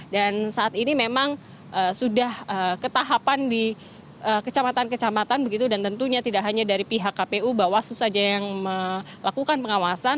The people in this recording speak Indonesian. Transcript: dan saat ini memang sudah ketahapan di kecamatan kecamatan begitu dan tentunya tidak hanya dari pihak kpu bahwa susah saja yang melakukan pengawasan